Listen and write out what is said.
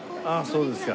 そうですか。